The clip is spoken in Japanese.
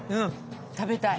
食べたい。